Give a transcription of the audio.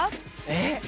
えっ。